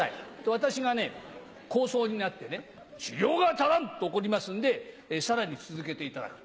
私がね、高僧になってね、修行が足らん！と怒りますんで、さらに続けていただく。